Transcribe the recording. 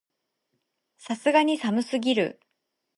さすがに寒すぎる